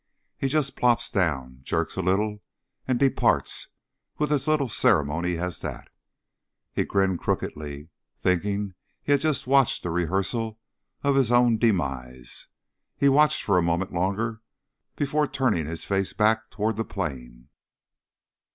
He just plops down, jerks a little and departs, with as little ceremony as that. He grinned crookedly, thinking he had just watched a rehearsal of his own demise. He watched for a moment longer before turning his face back toward the plain.